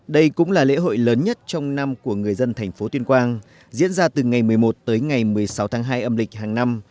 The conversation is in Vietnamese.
đây cũng là lễ hội lớn nhất trong năm của người dân thành phố tuyên quang diễn ra từ ngày một mươi một tới ngày một mươi sáu tháng hai âm lịch hàng năm